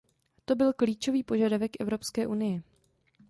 To byl klíčový požadavek Evropské unie.